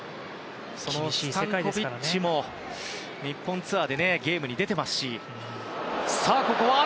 そのスタンコビッチも日本ツアーでゲームに出ています。